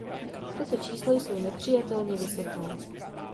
Tato čísla jsou nepřijatelně vysoká.